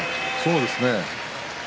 そうですね。